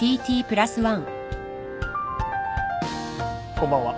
こんばんは。